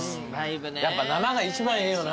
やっぱ生が一番ええよな。